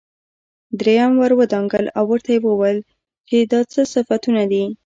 دريم ور ودانګل او ورته يې وويل چې دا څه صفتونه دي.